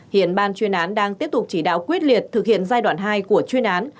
hiện ban chuyên án đang tiếp tục chỉ đạo quyết liệt thực hiện giai đoạn hai của chuyên án